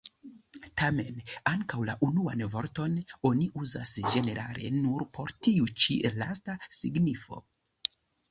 Tamen, ankaŭ la unuan vorton oni uzas ĝenerale nur por tiu ĉi lasta signifo.